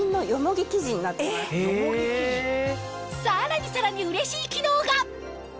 さらにさらにうれしい機能が！